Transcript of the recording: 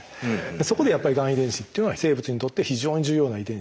そこでやっぱりがん遺伝子っていうのは生物にとって非常に重要な遺伝子だと。